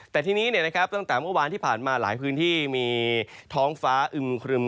แต่ทีนี้ตั้งแต่เมื่อวานที่ผ่านมาหลายพื้นที่มีท้องฟ้าอึมครึม